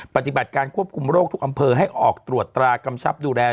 ปฏิบัติการควบคุมโรคทุกอำเภอให้ออกตรวจตรากำชับดูแล